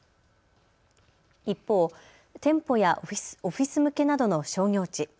一方、店舗やオフィス向けなどの商業地。